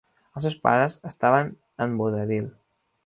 Els seus pares estaven en vodevil.